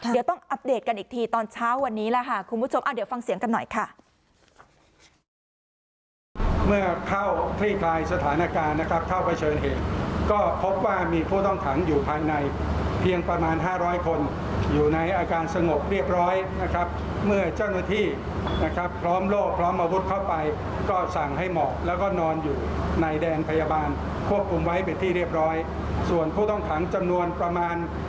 เดี๋ยวต้องอัปเดตกันอีกทีตอนเช้าวันนี้แหละค่ะคุณผู้ชมเดี๋ยวฟังเสียงกันหน่อยค่ะ